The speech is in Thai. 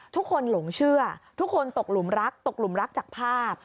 หลงเชื่อทุกคนตกหลุมรักตกหลุมรักจากภาพ